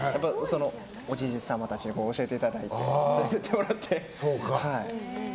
おじ様たちに教えていただいて連れていってもらって。